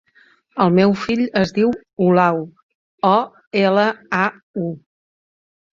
El meu fill es diu Olau: o, ela, a, u.